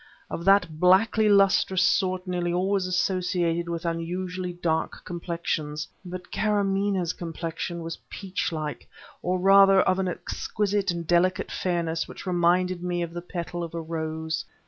of that blackly lustrous sort nearly always associated with unusually dark complexions; but Karamaneh's complexion was peachlike, or rather of an exquisite and delicate fairness which reminded me of the petal of a rose.